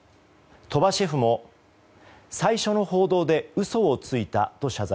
鳥羽シェフも最初の報道で嘘をついたと謝罪。